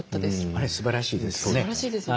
あれすばらしいですよね。